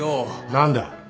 何だ。